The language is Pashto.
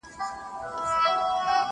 او جارچي به په هغه گړي اعلان كړ!.